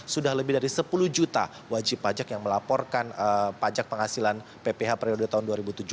sudah lebih dari sepuluh juta wajib pajak yang melaporkan pajak penghasilan pph periode tahun dua ribu tujuh belas